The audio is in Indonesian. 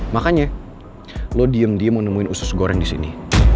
makanya lo diem diem mau nemuin usus goreng disini